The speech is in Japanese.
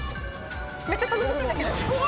めっちゃ頼もしいんだけど。